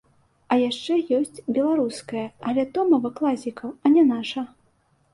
А яшчэ ёсць беларуская, але то мова класікаў, а не наша.